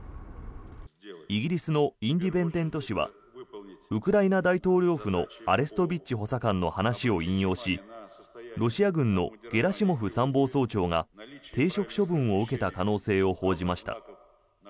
イギリスのインディペンデント紙はウクライナ大統領府のアレストビッチ補佐官の話を引用しロシア軍のゲラシモフ参謀総長が停職処分を受けた可能性を報じました。